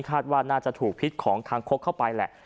ว่าน่าจะถูกพิษของคางคกเข้าไปแหละ